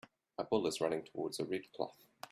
A bull is running towards a red cloth.